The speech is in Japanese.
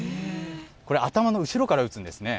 頭の後ろから打つんですね。